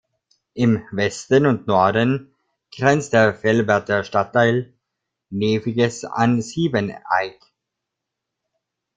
Im Westen und Norden grenzt der Velberter Stadtteil Neviges an Siebeneick.